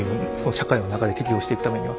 社会の中で適応していくためには。